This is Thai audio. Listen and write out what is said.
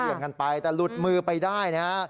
ฟัดเหยื่อกันไปแต่หลุดมือไปได้นะฮะ